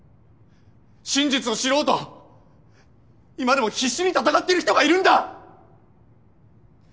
真実を知ろうと今でも必死に闘ってる人がいるんだ！